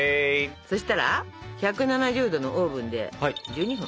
そしたら１７０℃のオーブンで１２分。